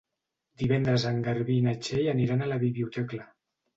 Divendres en Garbí i na Txell aniran a la biblioteca.